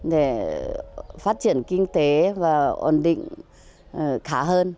để phát triển kinh tế và ổn định